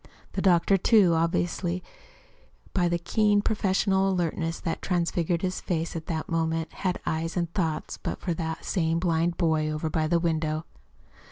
The doctor, too, obviously, by the keen, professional alertness that transfigured his face at that moment, had eyes and thoughts but for that same blind boy over by the window.